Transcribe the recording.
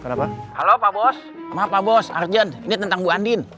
arjen ini tentang bu andien